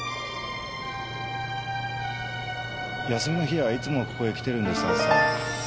休みの日はいつもここへ来てるんですあずさは。